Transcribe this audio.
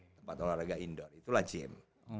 tempat olahraga indoor itulah gym